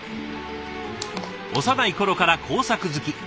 幼い頃から工作好き。